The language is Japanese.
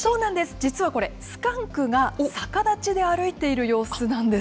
実はこれ、スカンクが逆立ちで歩いている様子なんです。